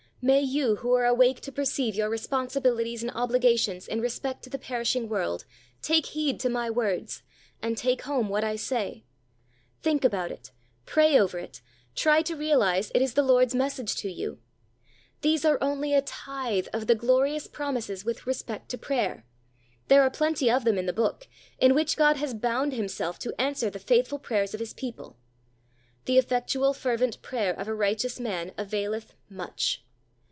May you, who are awake to perceive your responsibilities and obligations in respect to the perishing world, take heed to my words, and take home what I say think about it, pray over it, try to realize it is the Lord's message to you. These are only a tithe of the glorious promises with respect to prayer. There are plenty of them in the Book, in which God has bound Himself to answer the faithful prayers of His people. "The effectual fervent prayer of a righteous man availeth much."